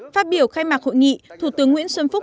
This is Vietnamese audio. phát biểu khai mạc hội nghị thủ tướng nguyễn xuân phúc